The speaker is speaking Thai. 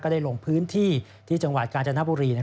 ได้ลงพื้นที่ที่จังหวัดกาญจนบุรี